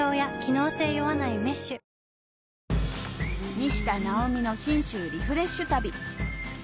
西田尚美の信州リフレッシュ旅！